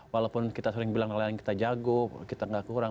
walaupun kita sering bilang nelayan kita jago kita nggak kurang